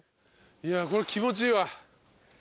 いやこれ気持ちいいわ。